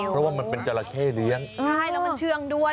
เพราะว่ามันเป็นจราเข้เลี้ยงใช่แล้วมันเชื่องด้วย